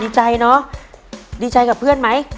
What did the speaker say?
ดีใจเนอะดีใจกับเพื่อนไหม